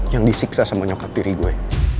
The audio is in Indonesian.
yang disiksa sama nyokap tiri gue